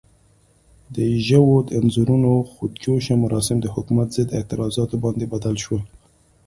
د ژو د انځورونو خود جوشه مراسم د حکومت ضد اعتراضاتو باندې بدل شول.